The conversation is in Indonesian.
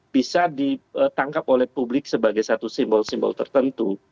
bisa ditangkap oleh publik sebagai satu simbol simbol tertentu